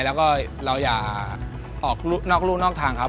แล้วก็เราอย่าออกนอกรู่นอกทางครับ